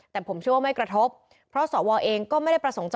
ทางคุณชัยธวัดก็บอกว่าการยื่นเรื่องแก้ไขมาตรวจสองเจน